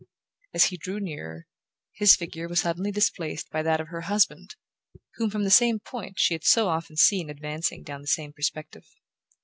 As he drew nearer, his figure was suddenly displaced by that of her husband, whom, from the same point, she had so often seen advancing down the same perspective.